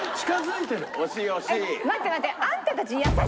待って待って。